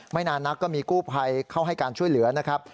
นานนักก็มีกู้ภัยเข้าให้การช่วยเหลือนะครับ